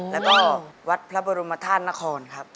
แล้วก็วัดพระบรมธาตุนครครับ